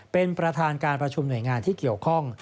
เป็นประธานการประชุมหน่วยงานที่เกี่ยวข้อง